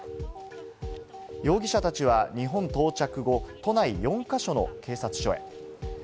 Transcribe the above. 容疑者たちは日本到着後、都内４か所の警察署へ。